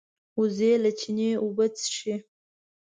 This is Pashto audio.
وزې له چینې اوبه څښي